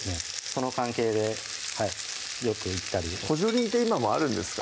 その関係ではいよく行ったり補助輪って今もあるんですか？